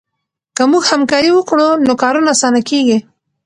که موږ همکاري وکړو نو کارونه اسانه کېږي.